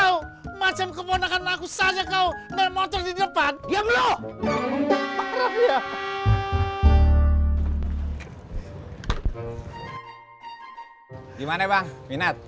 untuk pidir ga pindah